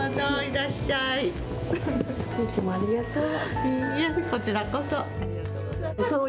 いつもありがとう。